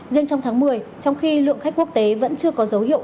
riêng trong tháng một mươi trong khi lượng khách quốc tế vẫn chưa có dấu hiệu